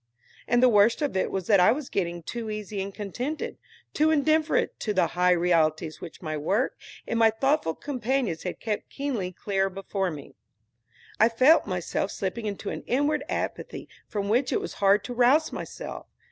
And the worst of it was that I was getting too easy and contented, too indifferent to the higher realities which my work and my thoughtful companions had kept keenly clear before me. I felt myself slipping into an inward apathy from which it was hard to rouse myself.